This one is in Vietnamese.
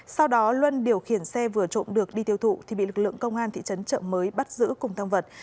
sau đó luân điều khiển xe vừa trộm được đi tiêu thụ thì bị lực lượng công an thị trấn trợ mới bắt giữ cùng thang vật